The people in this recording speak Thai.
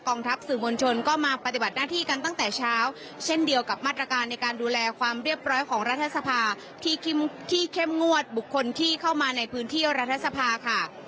ทัพสื่อมวลชนก็มาปฏิบัติหน้าที่กันตั้งแต่เช้าเช่นเดียวกับมาตรการในการดูแลความเรียบร้อยของรัฐสภาที่เข้มงวดบุคคลที่เข้ามาในพื้นที่รัฐสภาค่ะ